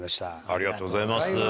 ありがとうございます。